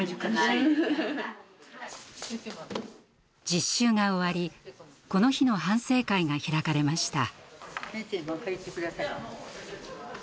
実習が終わりこの日の反省会が開かれました。